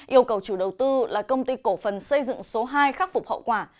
yêu cầu chủ đầu tư là công ty cổ phần xây dựng số hai khắc phục hậu quả